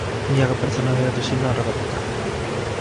Milaka pertsona geratu ziren harrapatuta.